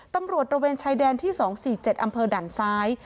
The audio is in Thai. ตำรวจระเวนชายแดนที่๒๔๗อำเภอด่านซ้าย